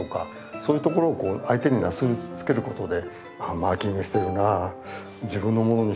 そういうところを相手になすりつけることであっマーキングしてるな自分のものにしたいんだな